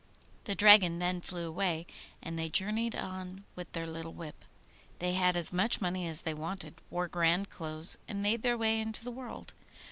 The dragon then flew away, and they journeyed on with their little whip. They had as much money as they wanted, wore grand clothes, and made their way into the world.